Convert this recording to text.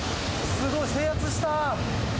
すごい、制圧した。